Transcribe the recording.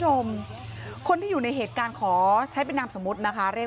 ตอนนี้ก็ไม่มีอัศวินทรีย์ที่สุดขึ้นแต่ก็ไม่มีอัศวินทรีย์ที่สุดขึ้น